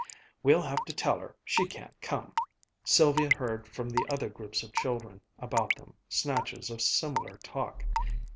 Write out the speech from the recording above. "We'll have to tell her she can't come." Sylvia heard from the other groups of children about them snatches of similar talk.